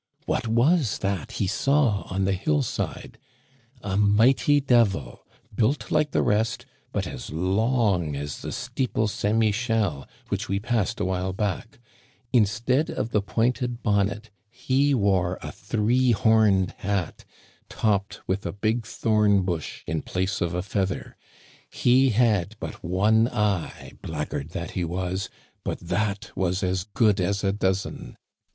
What was that he saw on the hill side ? A mighty devil, built like the rest, but as long as the steeple St. Michel, Digitized by VjOOQIC A NIGHT WITH THE SORCERERS. 43 which we passed awhile back. Instead of the pointed bonnet, he wore a three homed hat, topped with a big thorn bush in place of a feather. He had but one eye, blackguard that he was, but that was as good as a dozen.